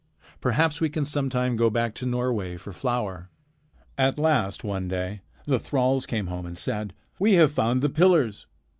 Perhaps we can sometime go back to Norway for flour." At last one day the thralls came home and said: "We have found the pillars."